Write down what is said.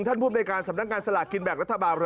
ท่านผู้บริการสำนักงานสลากกินแบบรัฐบาล